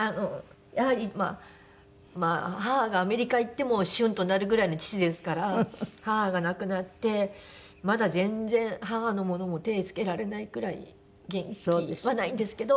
やはりまあ母がアメリカ行ってもしゅんとなるぐらいの父ですから母が亡くなってまだ全然母のものも手付けられないくらい元気はないんですけど。